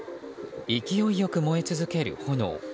勢いよく燃え続ける炎。